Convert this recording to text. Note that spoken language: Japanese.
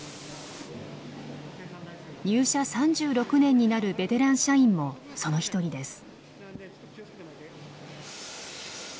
入社３６年になるベテラン社員もその一人です。